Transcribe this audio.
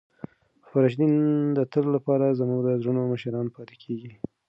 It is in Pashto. خلفای راشدین د تل لپاره زموږ د زړونو مشران پاتې کیږي.